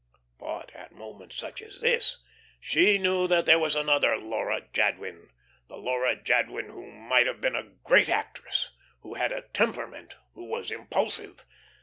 But at moments such as this she knew that there was another Laura Jadwin the Laura Jadwin who might have been a great actress, who had a "temperament," who was impulsive.